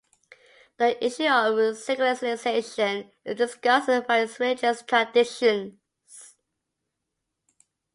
The issue of secularization is discussed in various religious traditions.